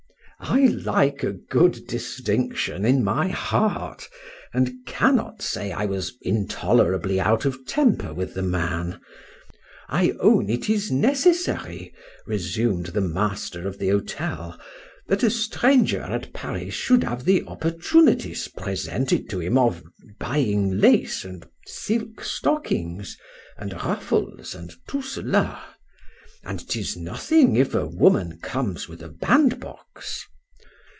—I like a good distinction in my heart; and cannot say I was intolerably out of temper with the man.—I own it is necessary, resumed the master of the hotel, that a stranger at Paris should have the opportunities presented to him of buying lace and silk stockings and ruffles, et tout cela;—and 'tis nothing if a woman comes with a band box.